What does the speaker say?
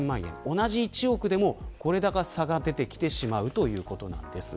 同じ１億でもこれだけの差が出てきてしまうということなんです。